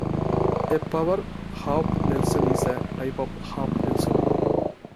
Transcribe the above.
A power half nelson is a type of half nelson.